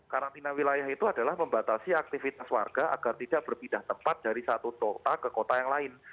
karantina wilayah itu adalah membatasi aktivitas warga agar tidak berpindah tempat dari satu kota ke kota yang lain